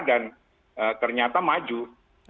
dan ternyata itu adalah komisaris